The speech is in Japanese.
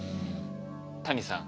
谷さん